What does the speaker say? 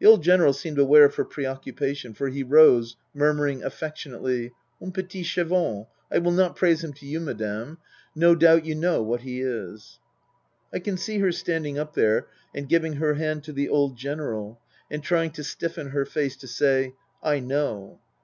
The old General seemed aware of her preoccupation, for he rose, murmuring affectionately, " Mon petit Chevons. I will not praise him to you, Madame. No doubt you know what he is." I can see her standing up there and giving her hand to the old General and trying to stiffen her face to say, " I know."